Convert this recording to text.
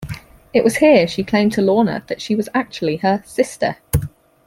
It was here she claimed to Lorna that she was actually her "sister".